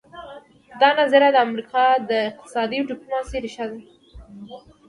دا نظریه د امریکا د اقتصادي ډیپلوماسي ریښه ده